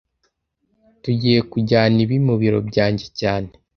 Tugiye kujyana ibi mubiro byanjye cyane